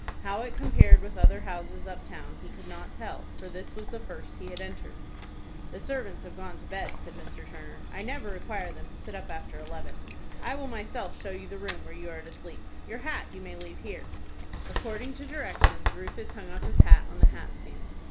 How it compared with other houses up town he could not tell, for this was the first he had entered. "The servants have gone to bed," said Mr. Turner; "I never require them to sit up after eleven. I will myself show you the room where you are to sleep. Your hat you may leave here." According to directions, Rufus hung up his hat on the hat stand.